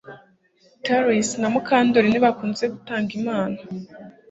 Trix na Mukandoli ntibakunze gutanga impano